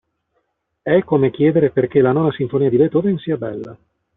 È come chiedere perché la Nona Sinfonia di Beethoven sia bella.